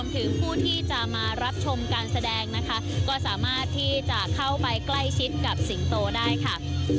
ถึงผู้ที่จะมารับชมการแสดงนะคะก็สามารถที่จะเข้าไปใกล้ชิดกับสิงโตได้ค่ะ